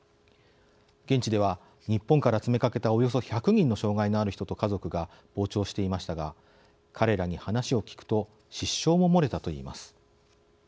現地では日本から詰めかけたおよそ１００人の障害のある人と家族が傍聴していましたが彼らに話を聞くと失笑も漏れたといいます。